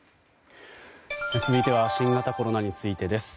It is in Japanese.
続いては新型コロナについてです。